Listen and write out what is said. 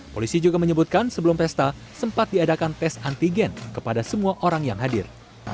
polisi juga menyebutkan sebelum pesta sempat diadakan tes antigen kepada semua orang yang hadir